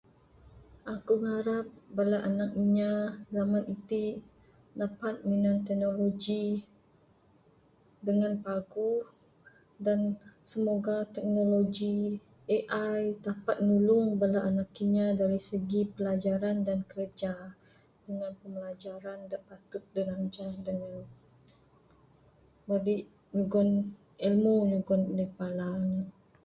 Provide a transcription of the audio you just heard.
Aku ngarap bala anak inya zaman iti dapat minan teknologi dengan paguh dan semoga teknologi AI dapat nulung bala anak kinya dari segi pelajaran dan kerja dengan pelajaran dak patut dengan berik nyugan ilmu nyugon ndek bala ne.